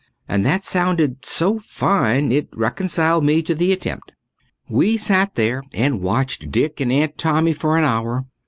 And that sounded so fine it reconciled me to the attempt. We sat there and watched Dick and Aunt Tommy for an hour.